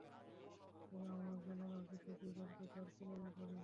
তুমি আমরা জানার আগে থেকেই জানতে তার খুনের ব্যাপারে।